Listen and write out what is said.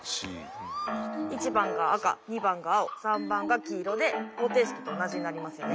１番が赤２番が青３番が黄色で方程式と同じになりますよね。